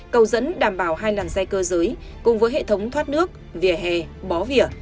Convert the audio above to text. cầu dẫn đảm bảo hai làn xe cơ giới cùng với hệ thống thoát nước vỉa hè bó vỉa